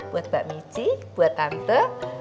buat mbak mici buat tante